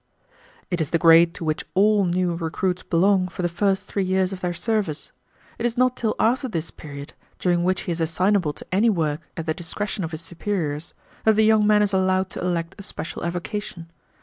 "It is the grade to which all new recruits belong for the first three years of their service. It is not till after this period, during which he is assignable to any work at the discretion of his superiors, that the young man is allowed to elect a special avocation.